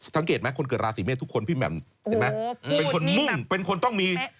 สังเกตไหมคนเกิดราศีเมษทุกคนพี่แหม่มเห็นไหมเป็นคนมุ่งเป็นคนต้องมี